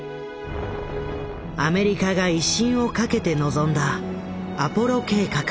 アメリカが威信をかけて臨んだ「アポロ計画」。